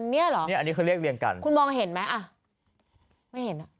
เนี้ยเหรอเนี้ยอันนี้เขาเรียกเรียงกันคุณมองเห็นไหมอ่ะไม่เห็นอ่ะ